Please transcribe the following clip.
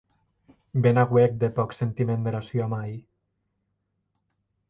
Be n’auec de pòc sentiment dera sua mair!